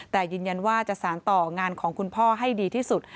แต่ยืนยันว่าจะสารต่องานของคุณพ่อให้ดีที่สุด